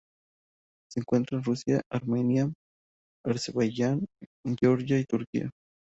Se encuentra en Rusia, Armenia, Azerbaiyán, Georgia y Turquía.